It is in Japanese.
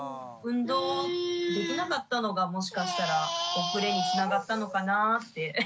運動できなかったのがもしかしたら遅れにつながったのかなぁって。